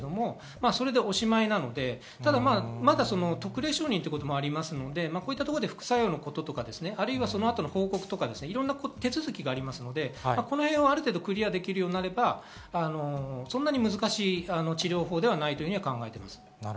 それでおしまいなので、まだ特例承認ということもありますので、副作用のこととか、報告とか、いろんな手続きがあるので、ある程度クリアできるようになればそんなに難しい治療法ではないと考えています。